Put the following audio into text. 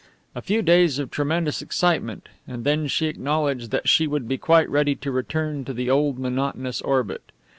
A few days of tremendous excitement; and then she acknowledged that she would be quite ready to return to the old monotonous orbit.